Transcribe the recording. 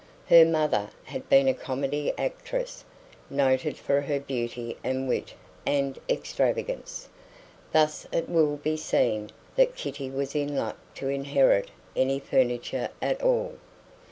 Her mother had been a comedy actress noted for her beauty and wit and extravagance. Thus it will be seen that Kitty was in luck to inherit any furniture at all.